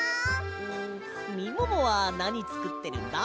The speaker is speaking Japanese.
んみももはなにつくってるんだ？